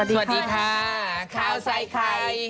สวัสดีค่ะข้าวใส่ไข่